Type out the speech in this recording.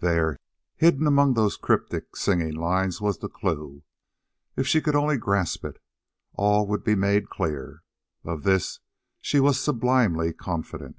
There, hidden among those cryptic singing lines, was the clue. If she could only grasp it, all would be made clear. Of this she was sublimely confident.